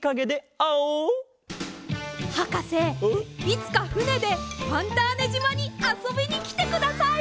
いつかふねでファンターネじまにあそびにきてください。